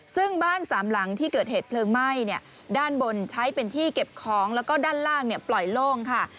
ซึ่งบ้านสามหลังที่เกิดเหตุเพลิงไหม้ด้านบนใช้เป็นที่เก็บของแล้วก็ด้านล่างปล่อยโล่งค่ะ